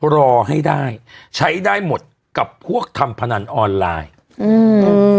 รอให้ได้ใช้ได้หมดกับพวกทำพนันออนไลน์อืม